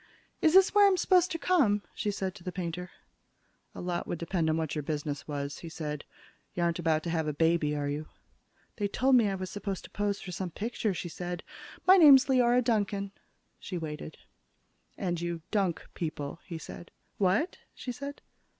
"Is this where I'm supposed to come?" she said to the painter. "A lot would depend on what your business was," he said. "You aren't about to have a baby, are you?" "They told me I was supposed to pose for some picture," she said. "My name's Leora Duncan." She waited. "And you dunk people," he said. "What?" she said.